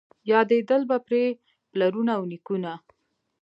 یادېدل به پرې پلرونه او نیکونه